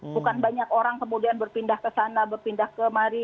bukan banyak orang kemudian berpindah ke sana berpindah kemari